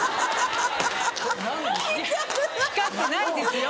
光ってないですよ。